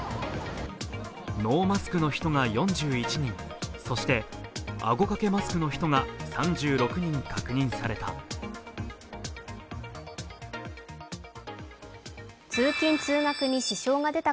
ノーマスクの人が４１人、そしてあごかけマスクの人が３６人確認された。